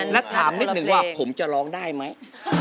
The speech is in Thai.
แล้วถามนิดนึงว่าผมจะร้องได้ไหม